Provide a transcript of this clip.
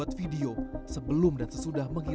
atas kebuatan yang anda lakukan